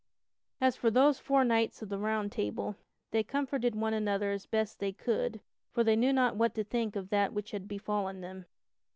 As for those four knights of the Round Table, they comforted one another as best they could, for they knew not what to think of that which had befallen them.